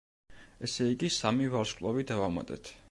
ესე იგი სამი ვარსკვლავი დავამატეთ.